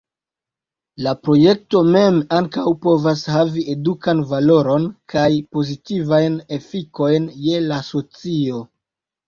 La projekto mem ankaŭ povas havi edukan valoron kaj pozitivajn efikojn je la socio.